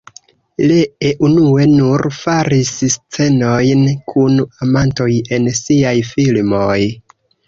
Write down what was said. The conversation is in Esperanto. Lee unue nur faris scenojn kun amantoj en siaj filmoj.